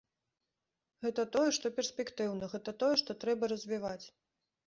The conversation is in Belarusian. Гэта тое, што перспектыўна, гэта тое, што трэба развіваць.